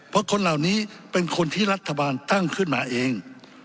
เพราะคนเหล่านี้เป็นคนที่รัฐบาลตั้งขึ้นมาเอง